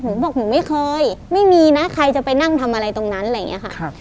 บอกหนูไม่เคยไม่มีนะใครจะไปนั่งทำอะไรตรงนั้นอะไรอย่างนี้ค่ะ